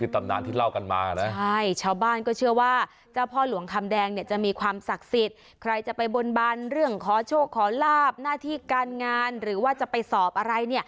ตำนานที่เล่ากันมานะใช่ชาวบ้านก็เชื่อว่าเจ้าพ่อหลวงคำแดงเนี่ยจะมีความศักดิ์สิทธิ์ใครจะไปบนบานเรื่องขอโชคขอลาบหน้าที่การงานหรือว่าจะไปสอบอะไร